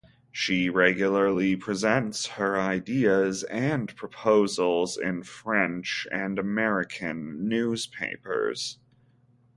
She regularly presents her ideas and proposals in French and American newspapers.